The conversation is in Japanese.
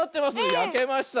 やけました。